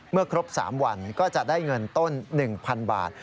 ครบ๓วันก็จะได้เงินต้น๑๐๐๐บาท